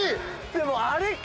でもあれか！